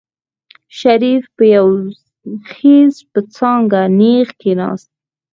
شريف په يو خېز په څانګه نېغ کېناست.